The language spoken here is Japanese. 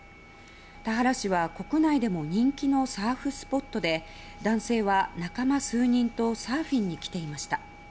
田原市は国内でも人気のサーフスポットで男性は仲間数人とサーフィンに来ていました。